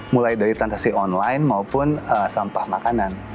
mulai dari transaksi online maupun sampah makanan